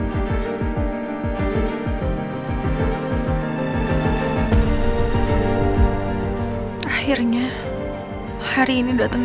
ya ini adalah pengalaman yang paling penting